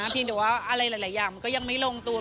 เพียงแต่ว่าอะไรหลายอย่างมันก็ยังไม่ลงตัว